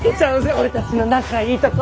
オレたちの仲いいとこ。